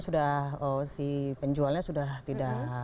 sudah si penjualnya sudah tidak